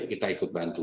kita ikut bantu